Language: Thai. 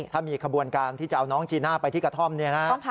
ถ้ามีขบวนการที่จะเอาน้องจีน่าไปที่กระท่อมเนี่ยนะ